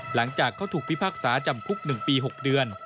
หลังจากเขาถูกพิพากษาจำคุก๑ปี๖เดือน